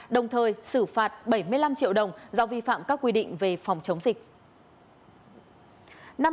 đồng thời xử phạt bảy mươi năm triệu đồng do vi phạm các quy định về phòng chống dịch